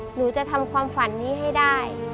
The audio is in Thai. หนูจะทำความฝันนี้ให้ได้